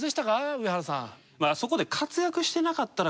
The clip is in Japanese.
上原さん。